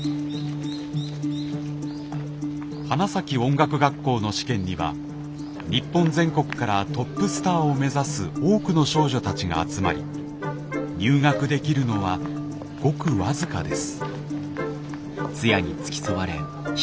花咲音楽学校の試験には日本全国からトップスターを目指す多くの少女たちが集まり入学できるのはごく僅かです。